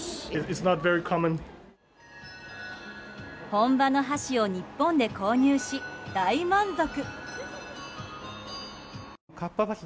本場の箸を日本で購入し大満足！